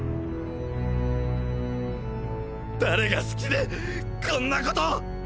誰が好きでこんなこと！！